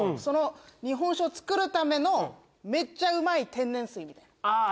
日本酒をつくるためのめっちゃうまい天然水みたいなああ